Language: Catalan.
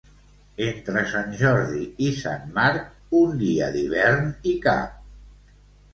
Entre Sant Jordi i Sant Marc, un dia d'hivern hi cap.